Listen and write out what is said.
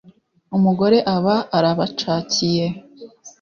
umugore aba arabacakiye